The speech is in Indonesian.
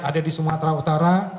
ada di sumatera utara